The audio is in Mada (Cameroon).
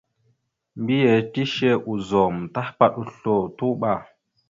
Mbiyez tishe ozum tahəpaɗ oslo, tuɓa.